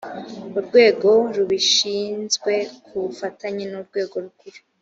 urwego rubishinzwe ku bufatanye n’urwego rukuru